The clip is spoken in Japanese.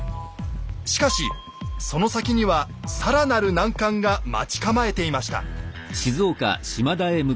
しかしその先には更なる難関が待ち構えていました。